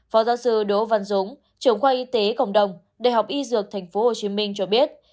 phó giáo sư đỗ văn dũng trưởng khoa y tế cộng đồng đại học y dược tp hcm cho biết